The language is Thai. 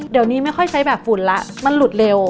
เดี๋ยวนี้ไม่ค่อยใช้แบบฝุ่นแล้วมันหลุดเร็ว